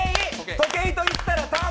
時計といったら卵。